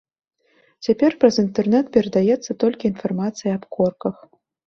Цяпер праз інтэрнэт перадаецца толькі інфармацыя аб корках.